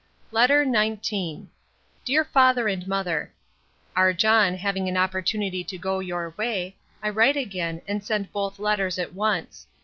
LETTER XIX DEAR FATHER AND MOTHER, Our John having an opportunity to go your way, I write again, and send both letters at once.